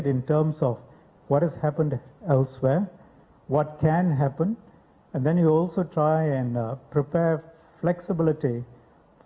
dan kemudian anda juga mencoba untuk mempersiapkan fleksibilitas